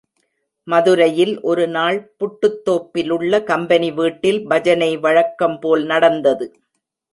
மதுரையில் ஒரு நாள் புட்டுத்தோப்பிலுள்ள கம்பெனி வீட்டில் பஜனை வழக்கம் போல் நடந்தது.